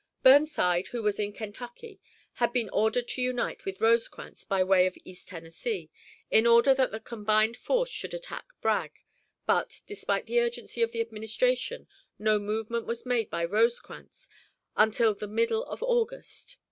Burnside, who was in Kentucky, had been ordered to unite with Rosecrans by way of East Tennessee, in order that the combined force should attack Bragg, but, despite the urgency of the administration, no movement was made by Rosecrans until the middle of August.